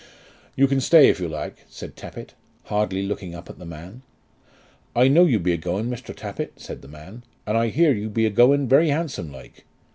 "You can stay if you like," said Tappitt, hardly looking up at the man. "I know you be a going, Mr. Tappitt," said the man; "and I hear you be a going very handsome like.